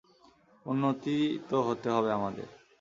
উন্নতি তো হতে হবে আমাদের।